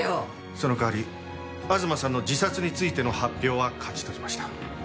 その代わり東さんの自殺についての発表は勝ち取りました。